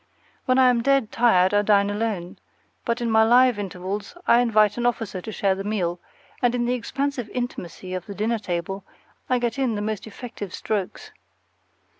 When I am dead tired I dine alone, but in my live intervals I invite an officer to share the meal; and in the expansive intimacy of the dinner table I get in my most effective strokes.